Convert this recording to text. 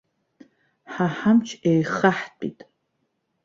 Ҳа ҳамч еихаҳтәит.